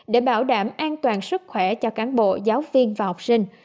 để bảo đảm an toàn sức khỏe cho cán bộ giáo viên và học sinh